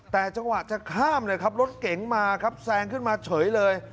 แต่จังหวะจะข้ามเลยครับรถเก๋งมาครับแซงขึ้นมาเฉยเลย